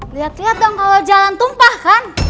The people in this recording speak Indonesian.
liat liat dong kalo jalan tumpah kan